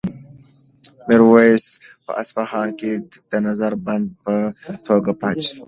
میرویس په اصفهان کې د نظر بند په توګه پاتې شو.